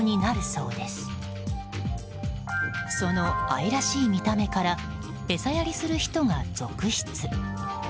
その愛らしい見た目から餌やりする人が続出。